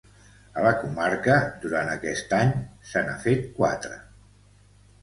A la comarca, durant aquest any, se n’ha fet quatre.